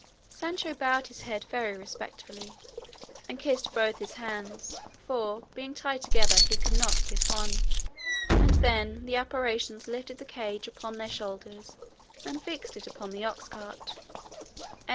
Sancho bowed his head very respectfully and kissed both his hands, for, being tied together, he could not kiss one; and then the apparitions lifted the cage upon their shoulders and fixed it upon the ox cart.